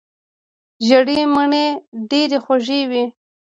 ژیړې مڼې ډیرې خوږې وي.